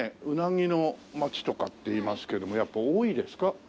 うなぎの街とかっていいますけどやっぱ多いですか？